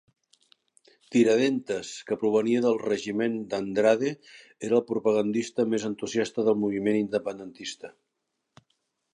Tiradentes, que provenia del regiment d'Andrade, era el propagandista més entusiasta del moviment independentista.